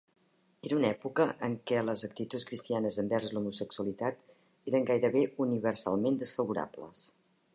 Era una època en què les actituds cristianes envers l'homosexualitat eren gairebé universalment desfavorables.